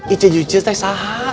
icu icu teh sahak